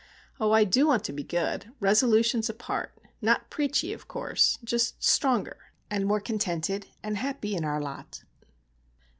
Oh, I do want to be good,—resolutions apart,—not "preachy," of course,—just stronger, and more contented and happy in our lot.